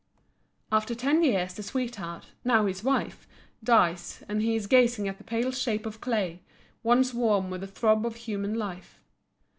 After ten years the sweetheart, now his wife, dies and he is gazing at the pale shape of clay, once warm with the throb of human life.